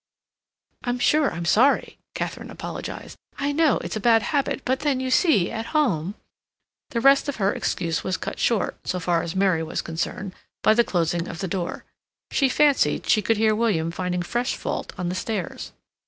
'" "I'm sure I'm sorry," Katharine apologized. "I know it's a bad habit, but then, you see, at home—" The rest of her excuse was cut short, so far as Mary was concerned, by the closing of the door. She fancied she could hear William finding fresh fault on the stairs.